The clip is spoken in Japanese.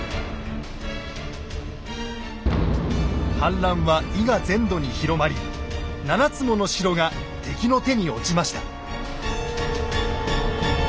反乱は伊賀全土に広まり７つもの城が敵の手に落ちました。